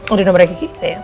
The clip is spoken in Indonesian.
udah nomernya kiki